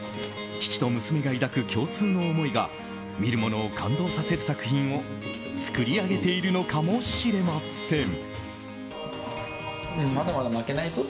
父と娘が抱く共通の思いが見る者を感動させる作品を作り上げているのかもしれません。